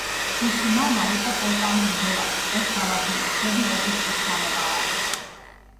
მისი მამა იყო პოლტავის ბრძოლაში ტყვედ ჩავარდნილი შვედი ოფიცრის შთამომავალი.